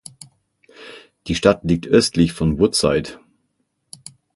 Die Stadt liegt östlich von Woodside.